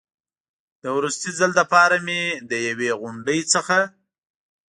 د وروستي ځل لپاره مې له یوې غونډۍ نه.